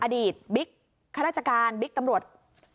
อดีตบิ๊กข้าราชการบิ๊กตำรวจ